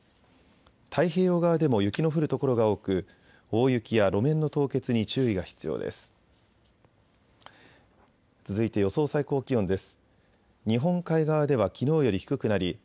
太平洋側でも雪の降る所が多く大雪や路面の凍結に注意が必要です。